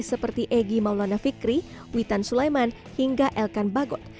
seperti egy maulana fikri witan sulaiman hingga elkan bagot